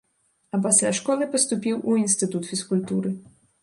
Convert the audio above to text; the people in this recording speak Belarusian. А пасля школы паступіў у інстытут фізкультуры.